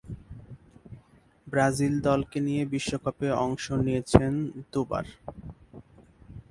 Brazil দলকে নিয়ে বিশ্বকাপে অংশ নিয়েছেন দু'বার।